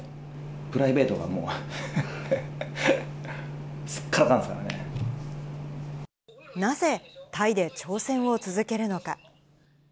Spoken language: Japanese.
プライベートがもう、すっからかなぜ、タイで挑戦を続けるのか。